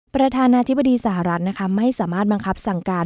ประธานาธิบดีสหรัฐนะคะไม่สามารถบังคับสั่งการ